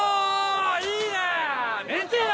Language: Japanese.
いいねぇ！